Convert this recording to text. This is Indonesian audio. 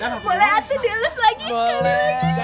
eh nes boleh aku dielus lagi sekali lagi